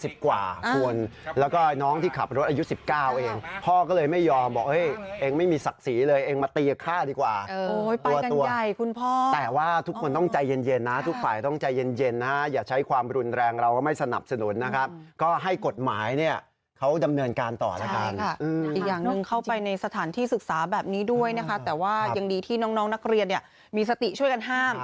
แบบท่อติดรถอายุ๑๙เองพ่อก็เลยไม่ยอมบอกเอ้ยเองไม่มีศักดิ์ศีร์เลยเองมาตีก่อนข้าวดีกว่าเอ่อไปกันใหญ่คุณพ่อแต่ว่าทุกคนต้องใจเย็นนะทุกฝ่ายต้องใจเย็นนะอย่าใช้ความรุนแรงเราก็ไม่สนับสนุนนะครับก็ให้กฎหมายเขาดำเนินการต่อละกันใช่ค่ะอืมอีกอย่างหนึ่